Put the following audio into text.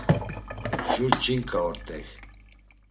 Jur ç̌inǩa ort̆ey.